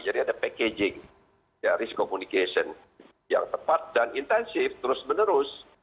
jadi ada packaging ya risk communication yang tepat dan intensif terus menerus